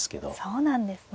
そうなんですね。